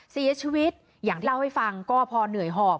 เสียชีวิตอย่างที่เล่าให้ฟังก็พอเหนื่อยหอบ